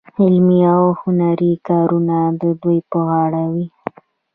علمي او هنري کارونه د دوی په غاړه وو.